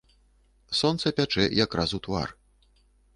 Сонца пячэ якраз у твар.